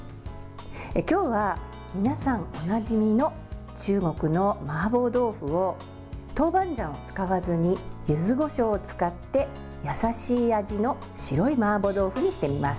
今日は皆さんおなじみの中国のマーボー豆腐を豆板醤を使わずに柚子こしょうを使って優しい味の白いマーボー豆腐にしてみます。